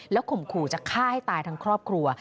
ข่มขู่จะฆ่าให้ตายทั้งครอบครัว